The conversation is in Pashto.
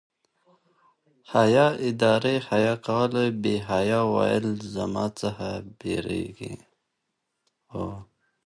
حیا دار حیا کوله بې حیا ویل زما څخه بيریږي